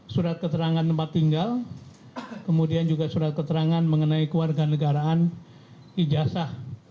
surat keterangan tempat tinggal kemudian juga surat keterangan mengenai keluarga negaraan ijazah